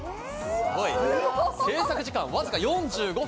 制作時間わずか４５分。